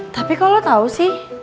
tapi kok lo tau sih